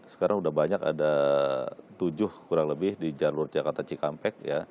sekarang sudah banyak ada tujuh kurang lebih di jalur jakarta cikampek